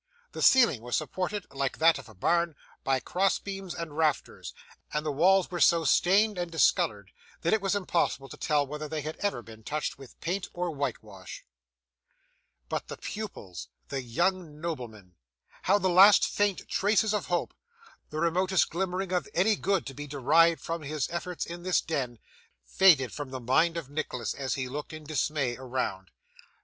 The ceiling was supported, like that of a barn, by cross beams and rafters; and the walls were so stained and discoloured, that it was impossible to tell whether they had ever been touched with paint or whitewash. But the pupils the young noblemen! How the last faint traces of hope, the remotest glimmering of any good to be derived from his efforts in this den, faded from the mind of Nicholas as he looked in dismay around!